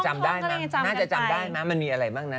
มีอะไรบ้างนะเหมือนกัน